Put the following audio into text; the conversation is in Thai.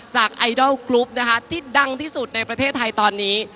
ไอดอลกรุ๊ปนะคะที่ดังที่สุดในประเทศไทยตอนนี้